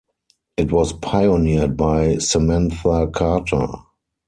It was pioneered by Samantha Carter.